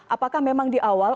apakah memang di awal